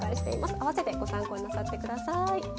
併せてご参考になさってください。